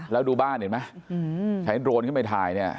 แล้วดูบ้านเห็นไหมใช้โดรนขึ้นไปถ่ายเนี่ย